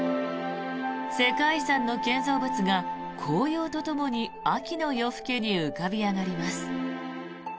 世界遺産の建造物が紅葉とともに秋の夜更けに浮かび上がります。